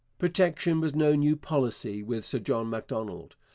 Protection was no new policy with Sir John Macdonald.